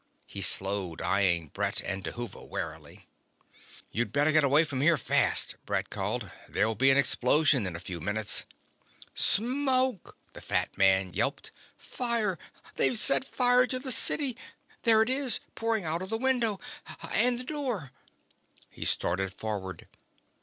He slowed, eyeing Brett and Dhuva warily. "You'd better get away from here, fast!" Brett called. "There'll be an explosion in a few minutes " "Smoke!" the fat man yelped. "Fire! They've set fire to the city! There it is! pouring out of the window ... and the door!" He started forward.